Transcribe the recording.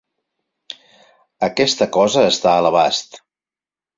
Aquesta cosa està a l'abast.